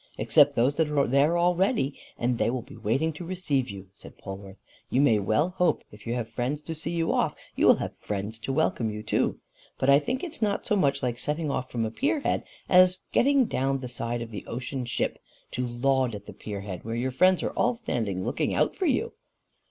"Except those that are there already, and they will be waiting to receive you," said Polwarth. "You may well hope, if you have friends to see you off, you will have friends to welcome you too. But I think it's not so much like setting off from the pier head, as getting down the side of the ocean ship, to laud at the pier head, where your friends are all standing looking out for you."